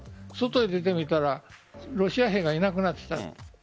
外に出てみたらロシア兵がいなくなっていた。